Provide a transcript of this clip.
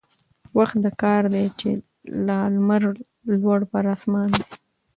وخت د كار دى چي لا لمر لوړ پر آسمان دى